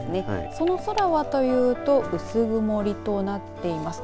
その空はというと薄曇りとなっています。